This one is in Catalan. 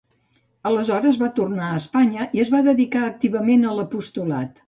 Aleshores va tornar a Espanya i es va dedicar activament a l'apostolat.